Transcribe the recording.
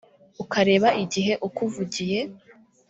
ukareba igihe ukuvugiye